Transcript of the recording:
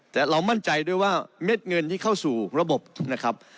แต่เรามั่นใจด้วยว่าเม็ดเงินที่เข้าสู่ระบบนะครับ